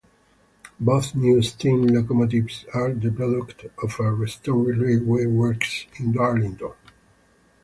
Both new steam locomotives are the product of a restored railway works in Darlington.